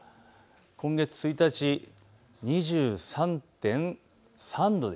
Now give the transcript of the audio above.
今月１日、２３．３度。